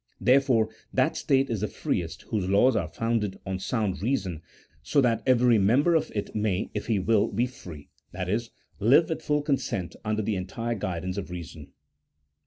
Therefore, that state is the freest whose laws are founded on sound reason, so that every member of it may, if he will, be free ;* that is, live with full consent under the entire guidance of reason.